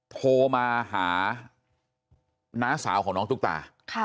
โทรมาหาน้าสาวของน้องตุ๊กตา